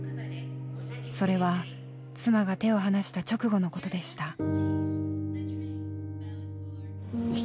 それは妻が手を離した直後のことでした。